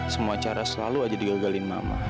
semua cara selalu aja digagalin mama